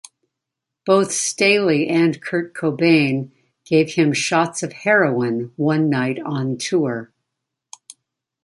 Both Staley and Kurt Cobain gave him shots of heroin one night on tour.